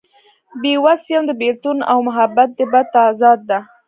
بې وس يم د بيلتون او محبت دې بد تضاد ته